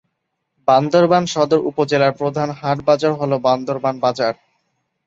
বান্দরবান সদর উপজেলার প্রধান হাট-বাজার হল বান্দরবান বাজার।